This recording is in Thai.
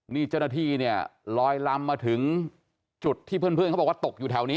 นี่เจ้าหน้าที่เนี่ยลอยลำมาถึงจุดที่เพื่อนเขาบอกว่าตกอยู่แถวนี้